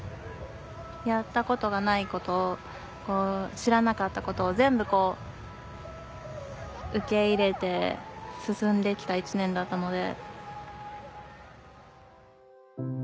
やったことがないことを知らなかったことを全部こう受け入れて進んで来た１年だったので。